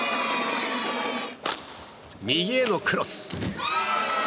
右へのクロス！